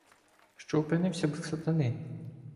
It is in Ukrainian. Що опинився б в сатани.